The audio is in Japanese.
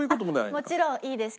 もちろんいいです。